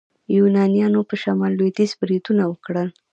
یونانیانو په شمال لویدیځ بریدونه وکړل.